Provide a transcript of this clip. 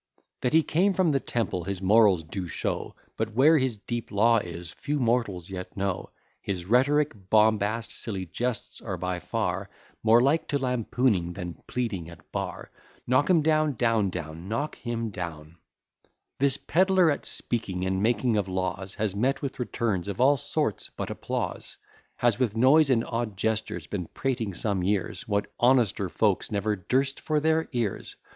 That he came from the Temple, his morals do show; But where his deep law is, few mortals yet know: His rhetoric, bombast, silly jests, are by far More like to lampooning, than pleading at bar. Knock him down, etc. This pedler, at speaking and making of laws, Has met with returns of all sorts but applause; Has, with noise and odd gestures, been prating some years, What honester folk never durst for their ears.